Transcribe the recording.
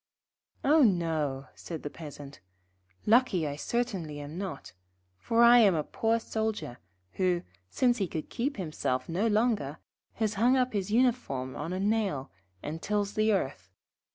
'Oh no,' said the Peasant, 'lucky I certainly am not, for I am a poor Soldier, who, since he could keep himself no longer, has hung up his uniform on a nail, and tills the earth.